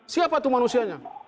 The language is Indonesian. siapa tuh manusianya